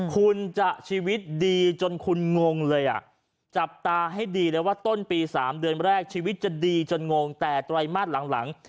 คุณจะชีวิตดีจนคุณงงเลยอ่ะจับตาให้ดีเลยว่าต้นปี๓เดือนแรกชีวิตจะดีจนงงแต่ไตรมาสหลัง